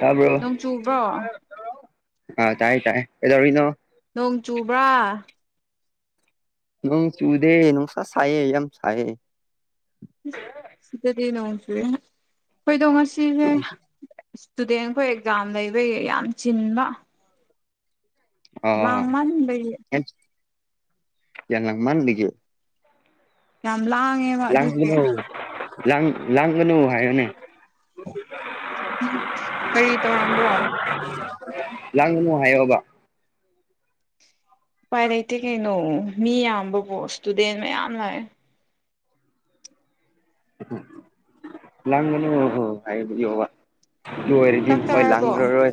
ꯇꯥꯕ꯭ꯔꯣ ꯅꯣꯡ ꯆꯨꯕ꯭ꯔꯣ ꯑ ꯇꯥꯏ ꯇꯥꯏ ꯀꯩꯗꯔꯤꯅꯣ ꯅꯣꯡ ꯆꯨꯕ꯭ꯔꯥ ꯅꯨꯡ ꯆꯨꯗꯦ ꯅꯨꯡꯁꯥ ꯁꯥꯏꯌꯦ ꯌꯥꯝ ꯁꯥꯏꯌꯦ ꯁꯤꯗꯗꯤ ꯅꯨꯡꯁꯦ ꯆꯨꯏ ꯑꯩꯈꯣꯏꯗꯣ ꯉꯁꯤꯁꯦ ꯏꯁꯇꯨꯗꯦꯟꯈꯣꯏ ꯑꯦꯛꯖꯥꯝ ꯂꯩꯕ ꯌꯥꯝ ꯆꯤꯟꯕ ꯂꯥꯡꯃꯟꯕꯒꯤ ꯑꯣ [unintelligible] ꯌꯥꯝ ꯂꯥꯡ ꯂꯒꯅꯣ ꯂꯒꯅꯣ ꯍꯥꯏꯑꯣꯅꯦ ꯀꯔꯤ ꯇꯧꯔꯝꯕ꯭ꯔꯣ ꯂꯥꯡꯒꯅꯨ ꯍꯥꯏꯌꯣꯕ ꯎꯄꯥꯏ ꯂꯩꯇꯦ ꯀꯩꯅꯣ ꯃꯤ ꯌꯥꯝꯕꯕꯨꯣ ꯏꯁꯇꯨꯗꯦꯟ ꯃꯌꯥꯝ ꯂꯥꯛꯑꯦ ꯂꯒꯅꯣ ꯍꯥꯏꯑꯣꯕ ꯑꯣꯏꯔꯗꯤ ꯆꯥꯛ ꯆꯥꯔꯕꯣ ꯂꯒ ꯑꯣꯏ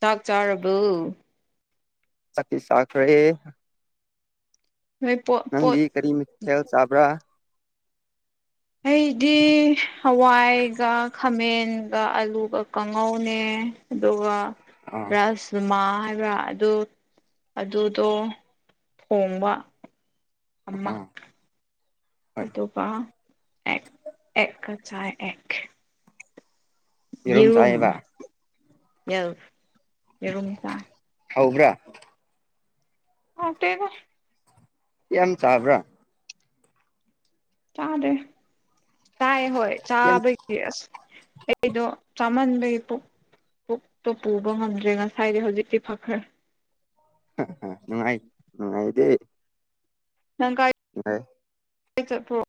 ꯆꯥꯛ ꯆꯔꯔꯕꯕꯨ ꯆꯥꯛꯇꯤ ꯆꯥꯈꯔꯦ ꯅꯣꯏ ꯄꯣꯠ ꯄꯣꯠ ꯅꯪꯗꯤ ꯀꯔꯤ ꯃꯤꯊꯦꯜ ꯆꯥꯕ꯭ꯔꯥ ꯑꯩꯗꯤ ꯍꯋꯥꯏꯒ ꯈꯥꯃꯦꯟꯒ ꯑꯂꯨꯒ ꯀꯥꯡꯉꯧꯅꯦ ꯑꯗꯨꯒ ꯑꯥ ꯔꯁ ꯃꯥ ꯍꯥꯏꯕ꯭ꯔꯥ ꯑꯗꯨ ꯑꯗꯨꯗꯣ ꯊꯣꯡꯕ ꯑꯃ ꯑꯥ ꯍꯣꯏ ꯑꯗꯨꯒ ꯑꯦꯛ ꯑꯦꯛ ꯆꯥꯏ ꯑꯦꯛ ꯌꯦꯔꯨꯝ ꯌꯦꯁ ꯌꯦꯔꯨꯝ ꯆꯥꯏ ꯍꯥꯎꯕ꯭ꯔꯥ ꯍꯥꯎꯇꯦꯗ ꯌꯥꯝ ꯆꯥꯕ꯭ꯔꯥ ꯆꯥꯗꯦ ꯆꯥꯏ ꯍꯣꯏ ꯌꯥꯝ ꯆꯥꯕꯩ ꯌꯦꯁ ꯑꯩꯗꯣ ꯆꯥꯃꯟꯕꯩ ꯄꯨꯛ ꯄꯨꯛꯇꯣ ꯄꯨꯕ ꯉꯝꯗ꯭ꯔꯦ ꯉꯁꯥꯏꯗꯤ ꯍꯧꯖꯤꯛꯇꯤ ꯐꯈ꯭ꯔꯦ [unintelligible] ꯅꯨꯡꯉꯥꯏ ꯅꯨꯡꯉꯥꯏꯗꯦ ꯅꯪ ꯀꯥꯏ [unintelligible] ꯀꯥꯏ ꯆꯠꯄ꯭ꯔꯣ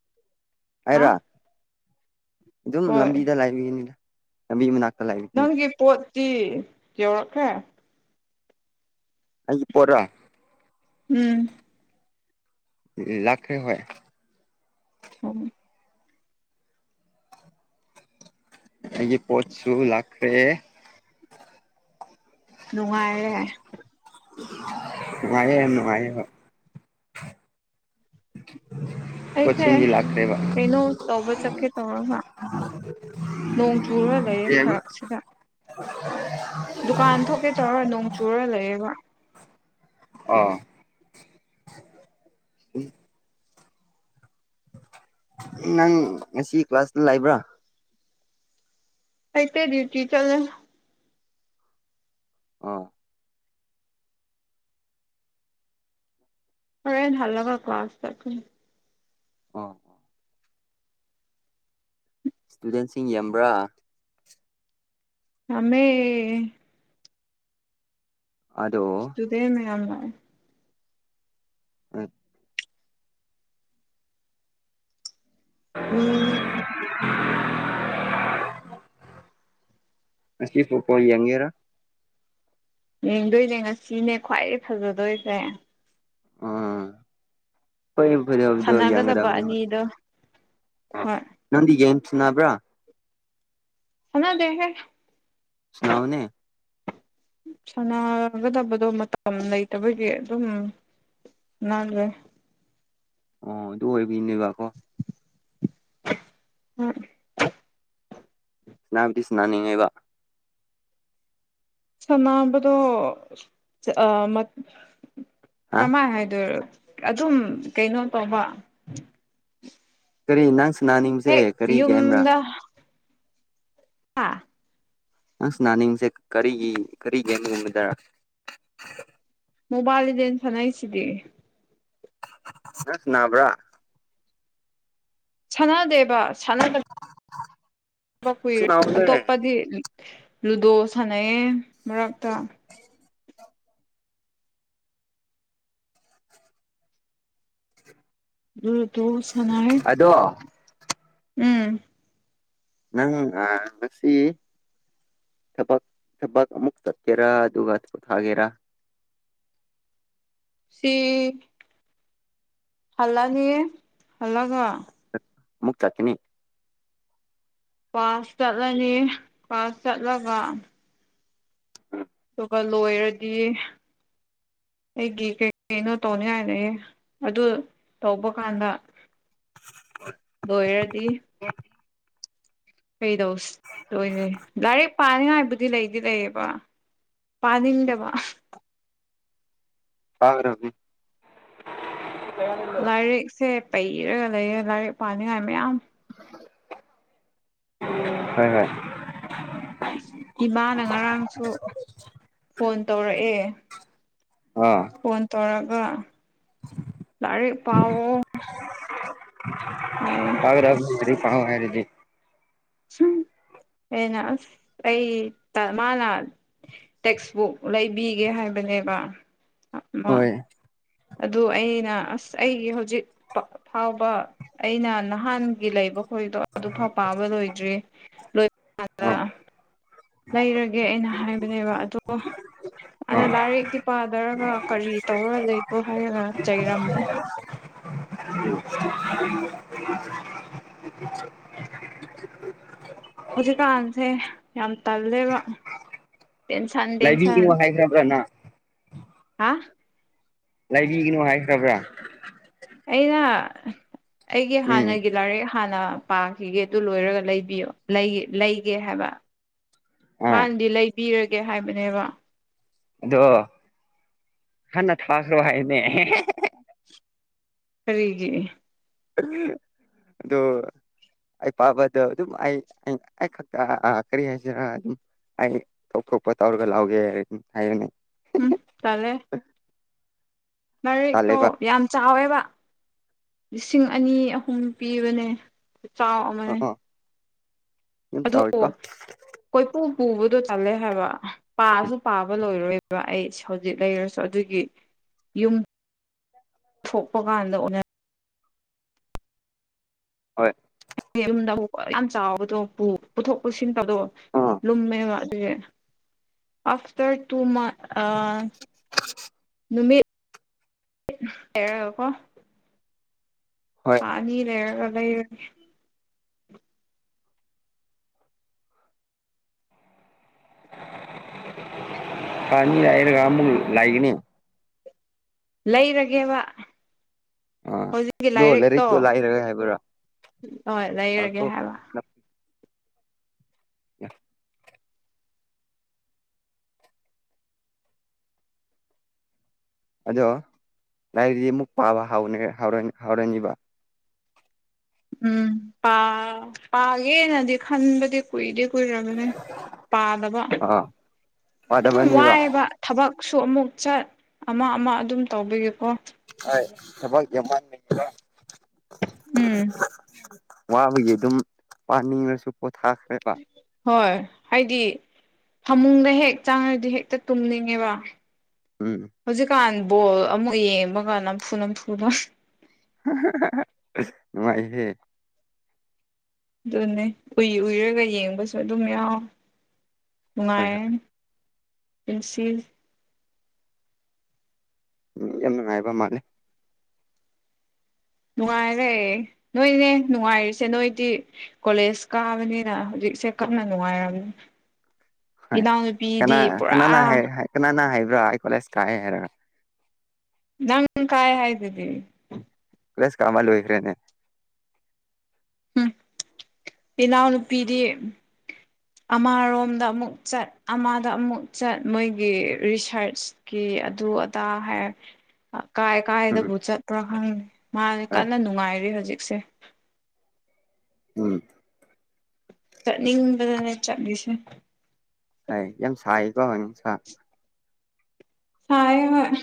ꯍꯥ ꯑꯩꯔꯣ ꯑꯗꯨꯝ ꯍꯣꯏ ꯂꯝꯕꯤꯗ ꯂꯩꯕꯅꯤꯅ ꯂꯝꯕꯤ ꯃꯅꯥꯛꯇ ꯂꯩꯕꯤꯅꯤꯅ ꯅꯪꯒꯤ ꯄꯣꯠꯇꯤ ꯌꯧꯔꯛꯈꯔꯦ ꯑꯩꯒꯤ ꯄꯣꯠ ꯂꯣ ꯎꯝ ꯂꯥꯛ꯭ꯈꯔꯦ ꯍꯣꯏ ꯎꯝ ꯑꯩꯒꯤ ꯄꯣꯠꯁꯨ ꯂꯥꯛꯈꯔꯦ ꯅꯨꯡꯉꯥꯏꯔꯦ ꯅꯨꯡꯉꯥꯏꯌꯦ ꯍꯣꯏ ꯅꯨꯡꯉꯥꯏꯌꯦ ꯑꯩꯁꯦ ꯄꯣꯠꯁꯤꯡꯗꯤ ꯂꯥꯛꯈ꯭ꯔꯦꯕ ꯀꯩꯅꯣ ꯇꯧꯕ ꯆꯠꯀꯦ ꯇꯧꯔꯒ [unintelligible] ꯅꯣꯡ ꯆꯨꯔ ꯂꯩꯌꯦ ꯐꯔꯛꯁꯤꯗ ꯗꯨꯀꯥꯟ ꯊꯣꯛꯀꯦ ꯇꯧꯔ ꯅꯣꯡ ꯆꯨꯔ ꯂꯩꯌꯦꯕ ꯑꯥ ꯅꯪ ꯉꯁꯤ ꯀ꯭ꯂꯥꯁꯇ ꯂꯩꯕ꯭ꯔꯥ ꯂꯩꯇꯦ ꯗꯌꯨꯇꯤ ꯆꯠꯂꯦ ꯑꯣ ꯍꯣꯔꯦꯟ ꯍꯜꯂꯒ ꯀꯂꯥꯁ ꯆꯠꯀꯅꯤ ꯑꯣ ꯏꯁꯇꯨꯗꯦꯟꯁꯤꯡ ꯌꯥꯝꯕ꯭ꯔꯥ ꯌꯥꯝꯃꯦ ꯑꯗꯣ ꯏꯁꯇꯨꯗꯦꯟ ꯃꯌꯥꯝ ꯂꯥꯛꯑꯦ ꯑ ꯎꯝ [unintelligible] ꯉꯁꯤ ꯐꯨꯕꯣꯜ ꯌꯦꯡꯒꯦꯔꯥ ꯌꯦꯡꯗꯣꯏꯅꯦ ꯉꯁꯤꯅꯦ ꯈ꯭ꯋꯥꯏꯗꯒꯤ ꯐꯖꯗꯣꯏꯁꯦ ꯑꯥ ꯍꯣꯏ ꯐꯖꯕꯗꯣ ꯁꯥꯟꯅꯒꯗꯕ ꯌꯦꯡꯒꯗꯕꯅꯤ ꯑꯅꯤꯗꯣ ꯍꯣꯏ ꯅꯪ ꯒꯦꯝ ꯁꯥꯅꯕ꯭ꯔꯥ ꯁꯥꯟꯅꯗꯦꯍꯦ ꯁꯥꯅꯧꯅꯦ ꯁꯥꯟꯅꯒꯗꯕꯗꯣ ꯃꯇꯝ ꯂꯩꯇꯕꯒꯤ ꯑꯗꯨꯝ ꯅꯜꯂꯦ ꯑꯣ ꯑꯗꯨ ꯑꯣꯏꯕꯤꯅꯦꯕꯀꯣ ꯍꯣꯏ ꯁꯥꯟꯅꯕꯨꯗꯤ ꯁꯥꯟꯅꯅꯤꯡꯉꯦꯕ ꯁꯥꯟꯅꯕꯗꯣ ꯍꯥ ꯀꯃꯥꯏ ꯍꯥꯏꯗꯣꯏꯔ ꯑꯗꯨꯝ ꯀꯩꯅꯣ ꯇꯧꯕ ꯀꯔꯤ ꯅꯪ ꯁꯥꯟꯅꯅꯤꯡꯕꯁꯦ ꯍꯦꯛ ꯀꯔꯤ ꯒꯦꯝꯔꯥ ꯌꯗ ꯍꯥꯥ ꯅꯪ ꯅꯥꯅꯤꯡꯁꯦ ꯀꯔꯤꯒꯤ ꯀꯔꯤ ꯒꯦꯝꯒꯨꯝꯒꯗꯔ ꯃꯣꯕꯥꯥꯏꯜꯗꯦꯟ ꯆꯅ ꯍꯥꯏꯁꯗꯦꯦ ꯑꯅꯥꯕ꯭ꯔꯥ ꯁꯥꯟꯅꯗꯦꯕ ꯁꯥꯟꯅꯗ ꯑ ꯨꯏꯔꯦ ꯑꯇꯣꯞꯄꯗꯤ ꯂꯨꯗꯣ ꯁꯥꯟꯅꯩꯌꯦ ꯃꯔꯛꯇ ꯎ ꯇꯣ ꯁꯅꯥ ꯍꯥꯏ ꯗ ꯎꯝ ꯅꯪ ꯑ ꯂꯁꯤ ꯊꯕꯛ ꯊꯕꯛ ꯑꯃꯨꯛ ꯆꯠꯀꯦꯔꯥ ꯑꯗꯨꯒ ꯊꯥꯒꯦꯔꯥ ꯁꯤ ꯍꯜꯂꯅꯤ ꯍꯜꯂꯒ ꯃꯛꯇ ꯆꯥꯛꯇꯅꯤ ꯄꯥꯁ ꯆꯠꯂꯅꯤ ꯄꯥꯁ ꯆꯠꯂꯒ ꯎꯝ ꯑꯗꯨꯒ ꯂꯣꯏꯔꯗꯤ ꯑꯩꯒꯤ ꯀꯩ ꯀꯩꯅꯣ ꯇꯧꯅꯤꯉꯥꯢ ꯂꯩꯌꯦ ꯑꯗꯨ ꯇꯧꯕ ꯀꯥꯟꯗ ꯂꯣꯢꯔꯗꯤ ꯑꯦ ꯀꯩꯗꯧ ꯂꯣꯏꯔꯦ ꯂꯥꯏꯔꯤꯛ ꯄꯥꯅꯤꯡꯉꯥꯏꯕꯨꯗꯤ ꯂꯩꯗꯤ ꯂꯩꯌꯦꯕ ꯄꯥꯅꯤꯡꯗꯕ ꯄꯒꯗꯝꯅꯤ ꯂꯥꯏꯔꯤꯛꯁꯦ ꯄꯩꯔꯒ ꯂꯩꯔ ꯂꯥꯏꯔꯤꯛ ꯄꯥꯅꯤꯡꯉꯥꯏ ꯃꯌꯥꯝ ꯍ ꯍꯣꯏ ꯏꯃꯥꯅ ꯉꯔꯥꯡꯁꯨ ꯐꯣꯟ ꯇꯧꯔꯛꯑꯦ ꯑ ꯐꯣꯟ ꯇꯧꯔꯒ ꯂꯥꯏꯔꯤꯛ ꯄꯥꯎꯑꯣ ꯍꯥꯏꯌꯦ ꯄꯒꯗꯝꯅꯤ ꯂꯔꯤꯛ ꯄꯥꯎ ꯍꯥꯏꯔꯗꯤ ꯑꯩꯅ ꯑꯁ ꯑꯩ ꯃꯥꯂꯥꯛꯅ ꯇꯦꯛꯁꯕꯨꯛ ꯂꯩꯕꯤꯒꯦ ꯍꯥꯏꯕꯅꯦꯕ ꯑꯥ ꯑꯗꯨ ꯑꯩꯅ ꯑꯁ ꯑꯩꯒꯤ ꯍꯧꯖꯤꯛ ꯐꯥꯎꯕ ꯑꯩꯅ ꯅꯍꯥꯟꯒꯤ ꯂꯩꯕ ꯍꯈꯣꯏꯗꯣ ꯑꯗꯨꯐꯥꯎ ꯄꯥꯕ ꯂꯣꯏꯗ꯭ꯔꯤ ꯂꯣꯏꯕ ꯀꯗ ꯂꯩꯔꯒꯦ ꯑꯩꯅ ꯍꯥꯏꯕꯅꯦꯕ ꯑꯗꯣ ꯑꯅ ꯑꯥ ꯂꯥꯏꯔꯤꯛꯇ ꯄꯥꯗꯔꯒ ꯀꯔꯤ ꯇꯧꯔ ꯂꯩꯕ꯭ꯔꯣ ꯍꯥꯏꯔꯒ ꯆꯩꯔꯝꯃꯦ ꯎ ꯍꯧꯖꯤꯛꯀꯥꯟꯁꯦ ꯌꯥꯝ ꯇꯜꯂꯦꯕ ꯇꯦꯟꯁꯟ ꯇꯦꯟꯁꯟ ꯂꯥꯏꯕꯤꯒꯤꯅꯣ ꯍꯥꯏꯈ꯭ꯔꯕ꯭ꯔꯅ ꯍꯥ ꯂꯩꯕꯤꯒꯅꯣ ꯍꯥꯏꯈ꯭ꯔꯕ꯭ꯔꯥ ꯑꯩꯅ ꯑꯩꯒꯤ ꯎꯝ ꯍꯥꯟꯅꯒꯤ ꯂꯥꯏꯔꯤꯛ ꯍꯥꯟꯅ ꯄꯥꯈꯤꯒꯦ ꯑꯗꯨ ꯂꯣꯏꯔꯒ ꯂꯩꯕꯤꯌꯣ ꯂꯩꯒꯦ ꯍꯥꯏꯕ ꯑꯥ ꯃꯥꯅꯗꯤ ꯂꯩꯕꯤꯔꯒꯦ ꯍꯥꯏꯕꯅꯦꯕ ꯑꯗꯣ ꯍꯟꯅ ꯊꯥꯈ꯭ꯔꯣ ꯍꯥꯏꯅꯦ ꯐꯔꯤꯒꯤ ꯑꯗꯨꯗꯣ ꯑꯩ ꯄꯥꯕꯗꯣ ꯑꯗꯨꯝ ꯑꯩ ꯑꯩ ꯈꯛꯇ ꯀꯔꯤ ꯍꯥꯏꯁꯤꯔ ꯑꯗꯨꯝ ꯑꯩ ꯊꯣꯛ ꯊꯣꯛꯄ ꯇꯧꯔꯒ ꯂꯧꯒꯦ ꯍꯥꯏ ꯍꯥꯏꯔꯅꯤ ꯎꯝ ꯇꯔꯦ ꯃꯔꯔꯤꯛꯇꯣ ꯇꯜꯂꯦꯕ ꯌꯥꯝ ꯆꯥꯎꯋꯦꯕ ꯂꯤꯁꯤꯡ ꯑꯅꯤ ꯑꯍꯨꯝ ꯄꯤꯕꯅꯦ ꯑꯣ ꯆꯥꯎꯃꯛꯅꯦ ꯑꯣ ꯌꯥꯝ ꯑꯗꯨꯗ ꯆꯥꯎꯋꯤꯀꯣ ꯀꯣꯏꯄꯨ ꯄꯨꯕꯗꯣ ꯆꯜꯂꯦ ꯍꯥꯏꯕ ꯄꯥꯁꯨ ꯄꯥꯕ ꯂꯣꯏꯔꯣꯏ ꯑꯗꯨꯒ ꯑꯩ ꯍꯧꯖꯤꯛ ꯂꯩꯔꯁꯨ ꯑꯗꯨꯒꯤ ꯌꯨꯝ ꯊꯣꯛꯄ ꯀꯥꯟꯗ ꯎ ꯍꯣꯏ ꯌꯨꯝꯗ ꯌꯥꯝ ꯆꯥꯎꯕꯗꯣ ꯄꯨꯊꯣꯛ ꯄꯨꯁꯤꯟꯕꯗꯣ ꯑꯥ ꯂꯨꯝꯃꯕ ꯑꯗꯨꯒꯤ ꯑꯐꯇꯔ ꯇꯨ ꯃꯟꯁ ꯅꯨꯃꯤꯠ ꯍꯥꯏꯔꯀꯣ ꯍꯣꯏ ꯑ ꯑꯅꯤ ꯂꯩꯔꯒ ꯂꯩꯔꯦ ꯄꯅꯤ ꯌꯥꯏꯔ ꯀ ꯃ ꯂꯥꯏꯒꯅꯤ ꯂꯩꯔꯒꯦꯕ ꯑꯥ ꯍꯧꯖꯤꯛꯀꯤ ꯑꯗꯣ ꯂꯥꯏꯔꯤꯛꯇꯣ ꯂꯥꯏꯔꯔꯣꯏ ꯍꯥꯏꯕ꯭ꯔꯥ ꯍꯣꯏ ꯑꯀꯣ ꯂꯩꯔꯒꯦ ꯍꯥꯏꯕ ꯌꯦꯁ ꯑꯗꯣ ꯂꯥꯏꯔꯤꯗꯤ ꯑꯃꯨꯛ ꯄꯥꯕ ꯍꯧꯥꯎꯔꯅꯤꯕ ꯎꯝ ꯄꯥꯒꯦꯅꯗꯤ ꯈꯟꯕꯗꯤ ꯀꯨꯏꯗꯦ ꯀꯨꯏꯔꯕꯅꯦ ꯄꯥꯗꯕ ꯑꯥ ꯑꯗꯨꯝ ꯄꯥꯗꯕꯅꯤꯕ ꯋꯥꯏꯑꯕ ꯊꯕꯛꯁꯨ ꯑꯃꯨꯛ ꯆꯠ ꯑꯃ ꯑꯃ ꯑꯗꯨꯝ ꯇꯧꯕꯤꯒꯦꯀꯣ [unintelligible] ꯎꯝ ꯋꯥꯕꯒꯤ ꯑꯗꯨꯝ ꯄꯥꯅꯤꯡꯉꯁꯨ ꯄꯣꯊꯥꯈ꯭ꯔꯦꯕ ꯍꯣꯏ ꯍꯥꯏꯗꯤ ꯐꯃꯨꯡꯗ ꯍꯦꯛ ꯆꯥꯡꯉꯗꯤ ꯍꯦꯛꯇ ꯇꯨꯝꯅꯤꯡꯉꯦꯕ ꯎꯝ ꯍꯧꯖꯤꯛꯀꯥꯟ ꯕꯣꯜ ꯑꯃꯨꯛ ꯌꯦꯡꯕꯒ ꯅꯝꯐꯨ ꯅꯝꯐꯨ [unintelligible] ꯉꯥꯏꯍꯦ ꯑꯗꯨꯅꯦ ꯎꯏ ꯎꯏꯔꯒ ꯌꯦꯡꯕꯁꯨ ꯑꯗꯨꯝ ꯌꯥꯎ ꯍꯣꯏ ꯅꯨꯡꯉꯥꯏꯔꯅꯤ ꯏꯟꯁꯤ ꯎꯝ ꯌꯥꯝ ꯅꯨꯡꯉꯥꯏꯕ ꯃꯥꯜꯂꯦ ꯅꯨꯡꯉꯥꯏꯔꯦ ꯅꯣꯏꯅꯦ ꯅꯨꯡꯉꯥꯏꯔꯤꯁꯦ ꯅꯣꯏꯗꯤ ꯀꯂꯦꯖ ꯀꯥꯃꯅꯤꯅ ꯍꯧꯖꯤꯛ ꯆꯦ ꯀꯟꯅ ꯅꯪꯉꯥꯏꯅ ꯔꯝꯅꯤ ꯍꯣꯏ ꯏꯅꯥꯎꯅꯨꯄꯤꯗꯤ ꯄꯨꯔꯥ ꯀꯅꯥ ꯍꯥꯏꯕ꯭ꯔ ꯑꯩ ꯀꯣꯂꯦꯖ ꯀꯥꯏ ꯍꯥꯏꯔ ꯅꯪ ꯀꯥꯏ ꯍꯥꯏꯗꯨꯗꯤ ꯄ꯭ꯂꯁ ꯀꯃ ꯂꯑꯣꯏ ꯈꯔꯦꯅꯦ ꯎꯝ ꯄꯤꯅꯥꯎꯅꯨꯄꯤꯗꯤ ꯑꯃꯔꯣꯝꯗ ꯑꯃꯨꯛ ꯆꯠ ꯑꯃꯗ ꯑꯃꯨꯛ ꯆꯠ ꯃꯣꯏꯒꯤ ꯔꯤꯁꯔꯁ ꯀꯤ ꯑꯗꯨ ꯑꯗꯥ ꯍꯥꯏ ꯀꯥꯏ ꯎꯝ ꯀꯥꯏꯗꯕꯨ ꯆꯠꯇꯄ꯭ꯔ ꯈꯪꯉꯅꯤ ꯃꯥꯅꯦ ꯍꯣꯏ ꯀꯟꯅ ꯅꯨꯡꯉꯥꯏꯔꯦ ꯍꯧꯖꯤꯛꯁꯦ ꯎꯝ ꯆꯠꯅꯤꯡꯕꯗꯅꯦ ꯆꯠꯂꯤꯁꯦ ꯍꯥꯏ ꯌꯥꯝ ꯁꯥꯏꯀꯣ ꯅꯨꯡꯁꯥ ꯁꯥꯏ ꯍꯣꯏ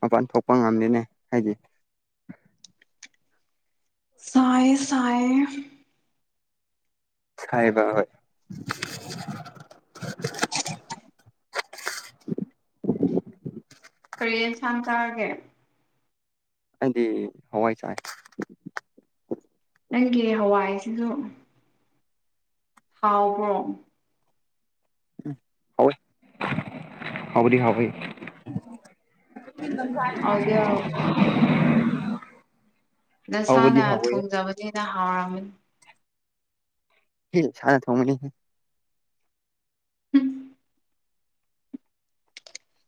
ꯃꯄꯥꯟ ꯊꯣꯛꯄ ꯉꯝꯗꯦꯅꯦ ꯍꯥꯏꯗꯤ ꯁꯥꯏ ꯁꯥꯏꯌꯦ ꯍꯥꯏꯕ ꯍꯣꯏ [inaudible] ꯀꯔꯤꯌꯦꯡꯁꯥꯡ ꯆꯥꯔꯒꯦ ꯑꯩꯗꯤ ꯍꯋꯥꯏ ꯆꯥꯏ ꯅꯪꯒꯤ ꯍꯋꯥꯏꯁꯤꯁꯨ ꯍꯥꯎꯕ꯭ꯔꯣ [unintelligible] ꯍꯥꯎꯕꯗꯤ ꯍꯥꯎ ꯑꯥ ꯍꯥꯎꯗꯤ ꯍꯥꯎ [unintelligible] ꯅꯁꯥꯅ ꯍꯥꯎꯕꯗꯤ ꯍꯥꯎꯋꯦ ꯊꯣꯡꯖꯕꯅꯤꯅ ꯍꯥꯎꯔꯝꯃꯅꯤ [unintelligible] ꯁꯥꯟ ꯊꯣꯡꯕꯅꯤ ꯎꯝ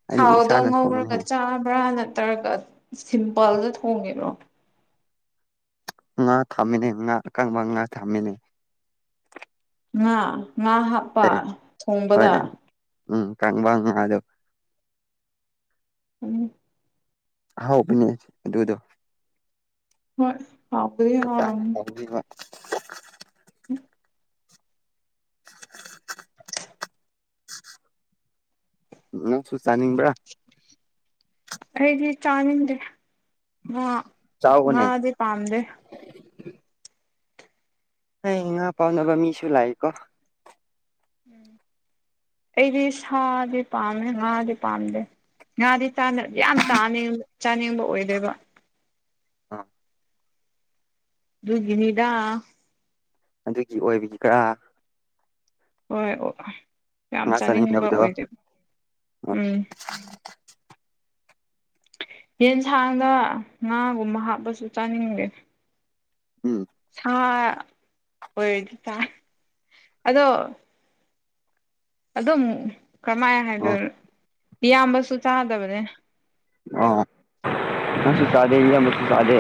ꯑꯩꯗꯤ ꯊꯥꯎꯗ ꯏꯁꯥꯅ ꯉꯧꯔꯒ ꯊꯣꯡꯕꯅꯤꯍꯦ ꯆꯥꯕ꯭ꯔꯥ ꯅꯠꯇ꯭ꯔꯒ ꯁꯤꯝꯄꯜꯗ ꯊꯣꯡꯉꯤꯔꯣ ꯉꯥ ꯊꯥꯝꯃꯤꯅꯦ ꯉꯥ ꯑꯀꯪꯕ ꯉꯥ ꯊꯥꯃꯤꯅꯦ ꯉꯥ ꯉꯥ ꯍꯨꯕ ꯍ ꯍꯣꯏ ꯎꯝ ꯀꯥꯡꯕ [unintelligible] ꯎꯝ ꯑꯍꯥꯎꯕꯅꯦ ꯑꯗꯨꯗꯣ ꯍꯣꯏ [unintelligible] ꯕꯤꯕ [inaudible] [inaudible] ꯅꯪꯁꯨ ꯆꯥꯅꯤꯡꯕ꯭ꯔ ꯑꯩꯗꯤ ꯆꯥꯅꯤꯡꯗꯦ ꯉꯥ ꯆꯥꯎꯑꯣꯅꯦ ꯉꯗꯤ ꯄꯥꯝꯗꯦ [unintelligible] ꯉꯥ ꯄꯝꯗꯕ ꯃꯤꯁꯨ ꯂꯥꯛꯏꯀꯣ ꯑꯩꯗꯤ ꯁꯥꯗꯤ ꯄꯥꯝꯃꯦ ꯉꯗꯤ ꯄꯥꯝꯗꯦ ꯉꯥꯗꯤꯥ ꯌꯥꯝꯥꯅꯤꯡ ꯆꯥꯅꯤꯡꯕ ꯑꯣꯏꯗꯣꯏꯕ ꯑꯥ ꯗꯨꯒꯤꯅꯤꯗꯥ ꯑꯗꯨꯒꯤ ꯑꯣꯏꯕꯒꯤ ꯀꯔꯥ ꯍꯣꯏ ꯑꯣ ꯌꯥꯝ ꯉꯥ ꯆꯥꯅꯤꯡꯕ ꯆꯥꯅꯤꯡꯗꯕꯗꯣ ꯑꯣꯏꯗꯦꯕ ꯍꯣꯏ ꯎꯝ ꯌꯦꯟꯁꯥꯡꯗ ꯉꯥꯒꯨꯝꯕ ꯍꯥꯞꯄꯁꯨ ꯆꯥꯅꯤꯡꯗꯦ ꯎꯝ ꯁꯥ ꯑꯣꯏꯔꯗꯤ ꯇꯥꯏ ꯑꯗꯣ ꯑꯗꯨꯝ ꯀꯔꯝꯃꯥꯏꯅ ꯑꯥ ꯍꯥꯏꯗꯣꯏ ꯏꯌꯥꯝꯕꯁꯨ ꯆꯥꯗꯕꯅꯦ ꯑꯣ ꯉꯁꯨꯁꯗꯦ ꯏꯁꯨꯁꯨꯁꯗꯦ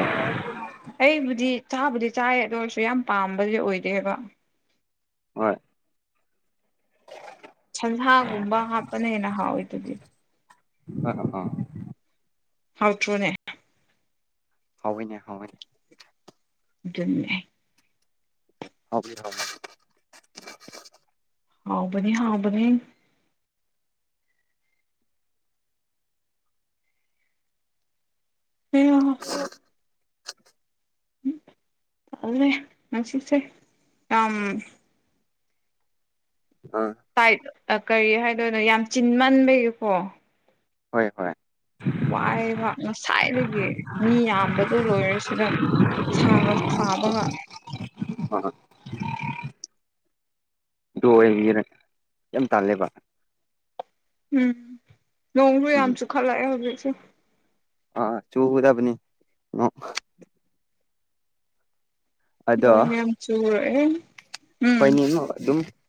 ꯑꯩꯕꯨꯗꯤ ꯆꯥꯕꯨꯗꯤ ꯆꯥꯏ ꯑꯗꯨ ꯑꯣꯏꯔꯁꯨ ꯌꯥꯝ ꯄꯥꯝꯕꯗꯤ ꯑꯣꯏꯗꯦꯕ ꯍꯣꯏ ꯁꯟꯁꯥꯒꯨꯝꯕ ꯍꯥꯞꯇꯅ ꯍꯦꯟꯅ ꯍꯥꯎꯋꯤ ꯑꯗꯨꯗꯤ ꯑ ꯑ ꯍꯥꯎ ꯊ꯭ꯔꯣꯅꯦ ꯍꯥꯎꯋꯏꯅꯦ ꯍꯥꯎꯋꯏꯅꯦ ꯑꯗꯨꯝꯃꯦ ꯍꯕꯤ ꯍ ꯍꯥꯎꯕꯅꯤ ꯍꯥꯎꯕꯅꯤ ꯑꯣ ꯑꯗꯨꯦ ꯃꯁꯤꯁꯦ ꯑ ꯍ ꯇꯥꯏꯠ ꯀꯔꯤ ꯍꯥꯏꯗꯣꯏꯅꯣ ꯌꯥꯝ ꯆꯤꯟꯃꯟꯕꯒꯤꯀꯣ ꯍꯣꯏ ꯍꯣꯏ ꯋꯥꯏꯕ ꯉꯁꯥꯏꯗꯒꯤ ꯃꯤ ꯌꯥꯝꯕꯗꯨꯣ ꯂꯣꯏꯔꯁꯤꯗ ꯁꯒ ꯁꯥꯕꯕ ꯍ ꯍꯣꯏ ꯗꯣ ꯑꯣꯏꯕꯤꯔ ꯌꯥꯝ ꯇꯥꯜꯂꯦꯕ ꯎꯝ ꯅꯣꯡꯁꯨꯨ ꯌꯥꯝ ꯎꯝ ꯆꯨꯈꯠꯂꯛꯑꯦ ꯍꯧꯖꯤꯛꯁꯨꯦ ꯑꯥ ꯆꯨꯗꯕꯅꯤ ꯑꯗꯣ ꯂꯣꯡ ꯌꯥꯝ ꯆꯨꯔꯦ ꯎꯝ ꯑꯩꯈꯣꯏꯅꯤ ꯑꯗꯨꯝ